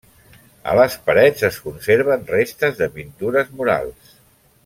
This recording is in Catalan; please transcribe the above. A les parets es conserven restes de pintures murals.